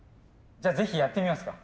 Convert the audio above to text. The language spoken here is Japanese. じゃあぜひやってみますか？